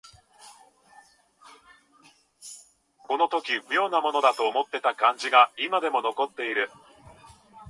この時妙なものだと思った感じが今でも残っている